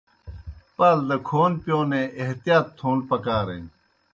پال دہ کھون پِیونے احتیاط تھون پکارِن۔